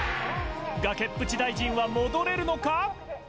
崖っぷち大臣は戻れるのか？